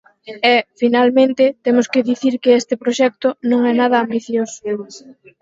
E, finalmente, temos que dicir que este proxecto non é nada ambicioso.